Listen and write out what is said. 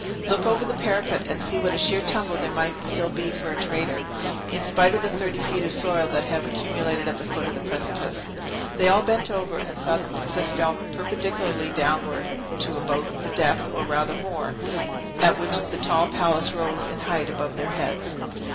Look over the parapet, and see what a sheer tumble there might still be for a traitor, in spite of the thirty feet of soil that have accumulated at the foot of the precipice." They all bent over, and saw that the cliff fell perpendicularly downward to about the depth, or rather more, at which the tall palace rose in height above their heads.